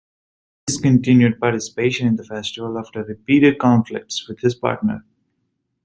He discontinued participation in the festival after repeated conflicts with his partner.